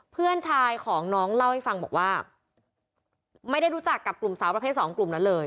เพื่อนชายของน้องเล่าให้ฟังบอกว่าไม่ได้รู้จักกับกลุ่มสาวประเภทสองกลุ่มนั้นเลย